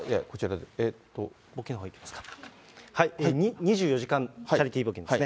２４時間チャリティー募金ですね。